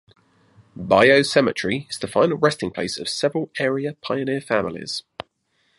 Bayou Cemetery is the final resting place of several area pioneer families.